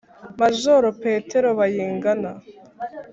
majoro petero bayingana,